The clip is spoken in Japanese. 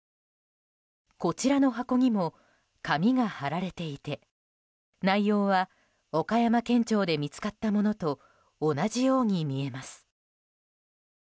こちらの箱にも紙が貼られていて内容は岡山県庁で見つかったものと同じように見えます。